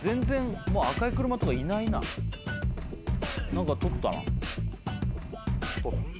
何か取ったな。